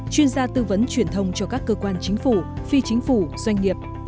chuyên gia tư vấn truyền thông cho các cơ quan chính phủ phi chính phủ doanh nghiệp